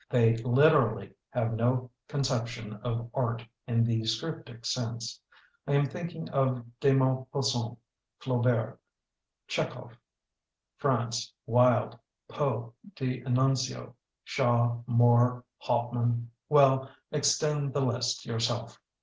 They literally have no conception of art in the scriptic sense. I am think ing of de Maupassant, Flaubert, Chek hov, France, Wilde, Poe, D'Annunzio, Shaw, Moore, Hauptmann — ^well, ex tend the list yourself.